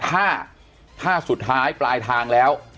ถ้าถ้าสุดท้ายปลายทางแล้ว